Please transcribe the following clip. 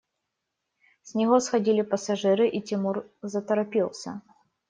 С него сходили пассажиры, и Тимур заторопился.